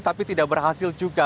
tapi tidak berhasil juga